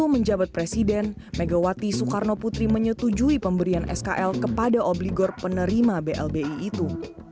untuk menjabat presiden megawati soekarnoputri menyetujui pemberian skl kepada obligor penerima blbi itu